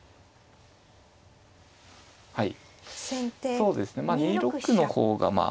はいそうですね２六の方がまあ。